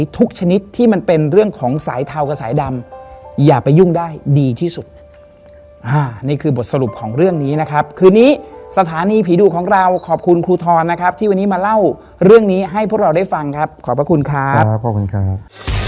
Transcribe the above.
ชนิดที่มันเป็นเรื่องของสายเทากับสายดำอย่าไปยุ่งได้ดีที่สุดนี่คือบทสรุปของเรื่องนี้นะครับคืนนี้สถานีผีดุของเราขอบคุณครูทรนะครับที่วันนี้มาเล่าเรื่องนี้ให้พวกเราได้ฟังครับขอบพระคุณครับขอบคุณครับ